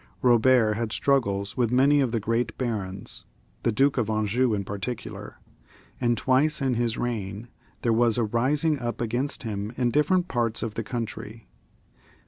Eobert had struggles with many of the great barons, the Duke of Anjou in particular ; and twice in his reign there was a rising up against him in different parts of the country.